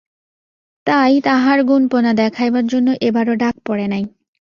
তাই তাহার গুণপনা দেখাইবার জন্য এবারও ডাক পড়ে নাই।